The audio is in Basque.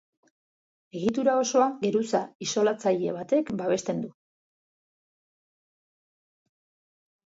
Egitura osoa geruza isolatzaile batek babesten du.